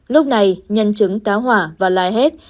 lúc này nhân chứng táo hỏa và lại hết